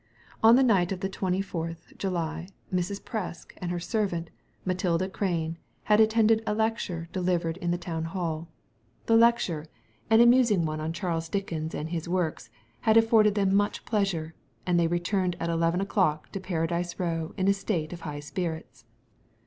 On the night of the 24th July, Mrs. Presk and her servant, Matilda Crane, had attended a lecture delivered in the Town Hall. The lecture— an amusing one on Digitized by Google 8 THE LADY FROM NOWHERE Charles Dickens and his works — ^had aflforded them much pleasure, and they returned at eleven o'clock to Paradise Row in a state of high spirits.